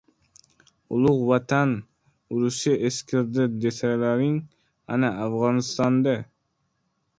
— Ulug‘ Vatan urushi eskirdi desalaring, ana, Afg‘onistonda...